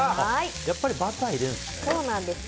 やっぱりバター入れるんですね。